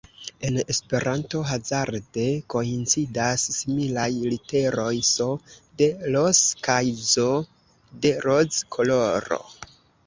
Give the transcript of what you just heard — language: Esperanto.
En Esperanto hazarde koincidas similaj literoj “s” de Ross kaj “z” de roz-koloro.